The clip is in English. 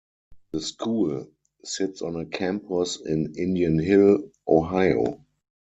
The school sits on a campus in Indian Hill, Ohio.